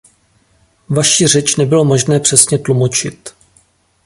Vaši řeč nebylo možné přesně tlumočit.